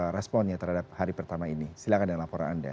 responnya terhadap hari pertama ini silahkan dengan laporan anda